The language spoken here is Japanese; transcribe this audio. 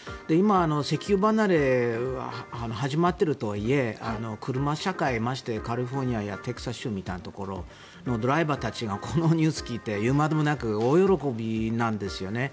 今、石油離れが始まっているとはいえ車社会ましてカリフォルニアやテキサス州みたいなところのドライバーたちがこのニュースを聞いて言うまでもなく大喜びなんです。